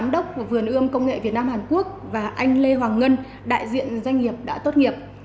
đốc của vườn ươm công nghệ việt nam hàn quốc và anh lê hoàng ngân đại diện doanh nghiệp đã tốt nghiệp